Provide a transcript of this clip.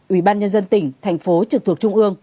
ủy ban nhân dân tỉnh thành phố trực thuộc trung ương